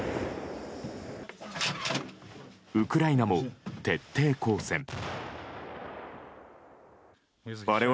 ウクライナも徹底抗戦。